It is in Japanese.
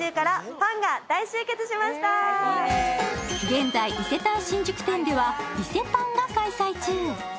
現在、伊勢丹新宿店ではＩＳＥＰＡＮ！が開催中。